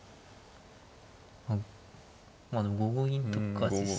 まあでも５五銀とかですか。